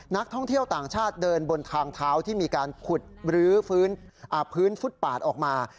นักท่องเที่ยวต่างชาติเดินบนทางเท้าที่มีการขุดรื้อฟื้นฟุตปาดออกมา